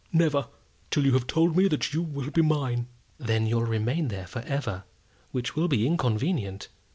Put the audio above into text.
"Never, till you have told me that you will be mine!" "Then you'll remain there for ever, which will be inconvenient.